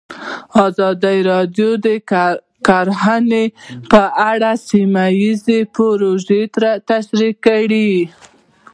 ازادي راډیو د کرهنه په اړه سیمه ییزې پروژې تشریح کړې.